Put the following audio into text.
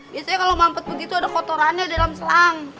biasanya kalau mampet begitu ada kotorannya di dalam selang